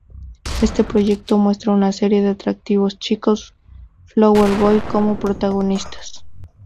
Este proyecto muestra una serie de atractivos chicos "Flower Boy" como protagonistas.